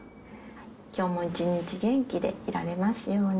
きょうも一日元気でいられますように。